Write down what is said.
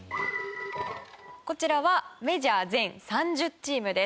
こちらはメジャー全３０チームです。